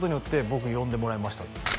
「僕呼んでもらいました」